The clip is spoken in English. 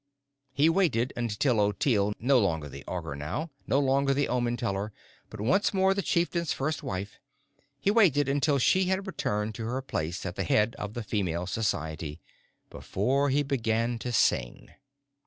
He waited until Ottilie, no longer the Augur now, no longer the Omen Teller, but once more the Chieftain's First Wife he waited until she had returned to her place at the head of the Female Society, before he began to sing.